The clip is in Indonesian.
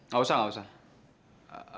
gak usah gak usah